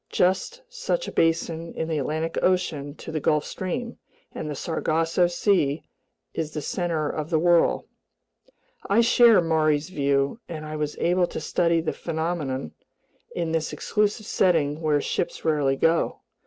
Just such a basin is the Atlantic Ocean to the Gulf Stream, and the Sargasso Sea is the center of the whirl." I share Maury's view, and I was able to study the phenomenon in this exclusive setting where ships rarely go.